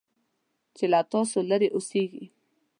چې له تاسو لرې اوسيږي .